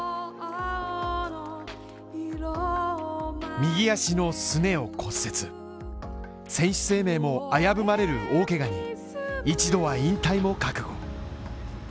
右足のすねを骨折、選手生命も危ぶまれる大怪我で、一度は引退も覚悟。